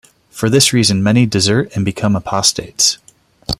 For this reason many desert and become apostates.